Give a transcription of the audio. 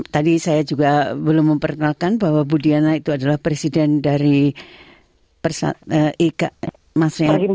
tadi saya juga belum memperkenalkan bahwa bu diana itu adalah presiden dari queen s beach square melbourne